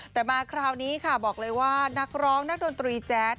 แต่มาคราวนี้ค่ะบอกเลยว่านักร้องนักดนตรีแจ๊ด